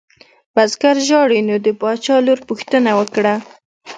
بزګر ژاړي نو د باچا لور پوښتنه وکړه.